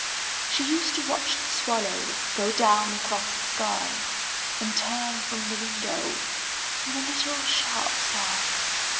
She used to watch the swallows Go down across the sky, And turn from the window With a little sharp sigh.